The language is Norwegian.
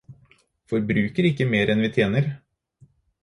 Forbruker ikke mer enn vi tjener.